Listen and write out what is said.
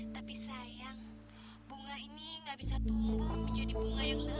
gak mampu bayar utang